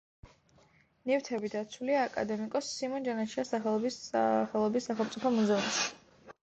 ნივთები დაცულია აკადემიკოს სიმონ ჯანაშიას სახელობის სახელობის სახელმწიფო მუზეუმში.